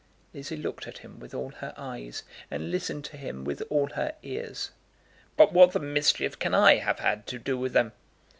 Lizzie looked at him with all her eyes and listened to him with all her ears. "But what the mischief can I have had to do with them?"